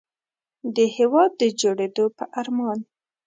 د هېواد د جوړېدو په ارمان.